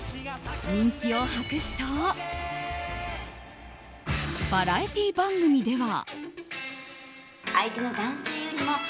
人気を博すとバラエティー番組では。